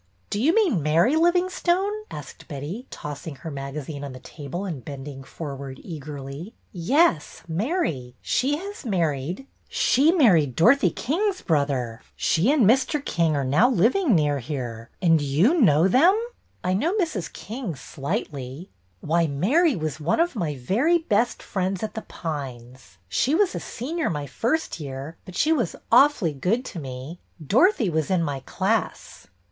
Do you mean Mary Livingstone ?" asked Betty, tossing her magazine on the table and bending forward eagerly. Yes, Mary. She has married —" She married Dorothy King's brother. She 196 BETTY BAIRD'S VENTURES and Mr. King are now living near here. And you know them ?"'' I know Mrs. King slightly." Why, Mary was one of my very best friends at The Pines. She was a senior my first year, but she was awfully good to me. Dorothy was in my class."